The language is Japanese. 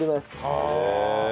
へえ。